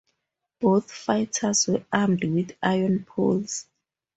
Both fighters were armed with iron poles.